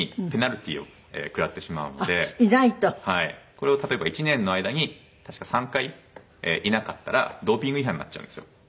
これを例えば１年の間に確か３回いなかったらドーピング違反になっちゃうんですよ。